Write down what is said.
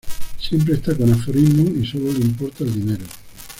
Siempre está con aforismos y sólo le importa el dinero.